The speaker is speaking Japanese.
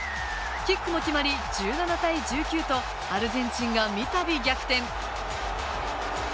キックも決まり、１７対１９とアルゼンチンが三度逆転。